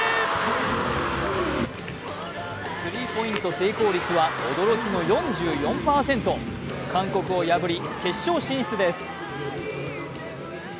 スリーポイント成功率は驚きの４４％、韓国を破り決勝進出です。